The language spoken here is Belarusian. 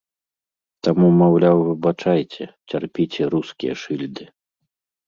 Таму, маўляў, выбачайце, цярпіце рускія шыльды.